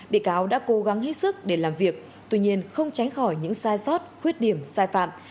bị cáo đã cố gắng hết sức để làm việc tuy nhiên không tránh khỏi những sai sót khuyết điểm sai phạm